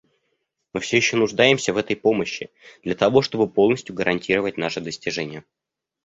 Мы все еще нуждаемся в этой помощи, для того чтобы полностью гарантировать наши достижения.